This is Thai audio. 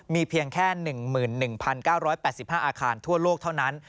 มีเพียงแค่๑๑๙๘๕อาคารทั่วโลกเท่านั้น